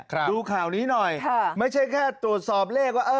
ดูข่าวนี้หน่อยค่ะไม่ใช่แค่ตรวจสอบเลขว่าเออ